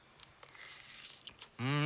うん！